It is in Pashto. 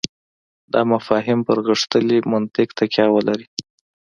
دا مفاهیم پر غښتلي منطق تکیه ولري.